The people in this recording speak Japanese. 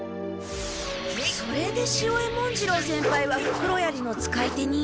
それで潮江文次郎先輩はふくろやりの使い手に。